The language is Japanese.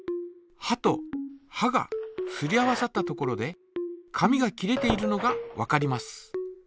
はとはがすり合わさったところで紙が切れているのがわかります。